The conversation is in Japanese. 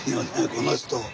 この人。